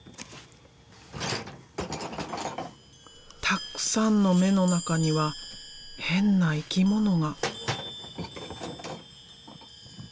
たっくさんの目の中には変な生き物が。